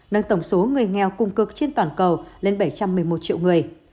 nâng tổng số người nghèo cung cực trên toàn cầu lên bảy trăm một mươi một triệu người